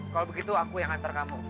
kalau begitu aku yang antar kamu